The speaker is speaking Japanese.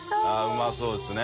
うまそうですね。